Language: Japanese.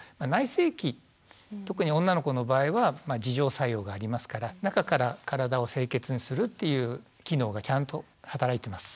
性器特に女の子の場合は自浄作用がありますから中から体を清潔にするっていう機能がちゃんと働いてます。